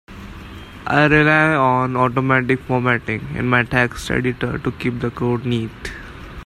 I rely on automatic formatting in my text editor to keep the code neat.